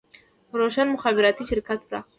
روشن مخابراتي شرکت پراخ دی